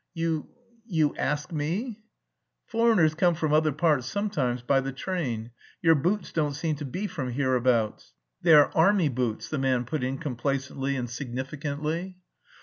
"You... you ask me?" "Foreigners come from other parts sometimes by the train; your boots don't seem to be from hereabouts...." "They are army boots," the man put in complacently and significantly.